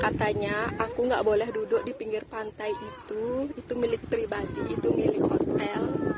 katanya aku nggak boleh duduk di pinggir pantai itu itu milik pribadi itu milik hotel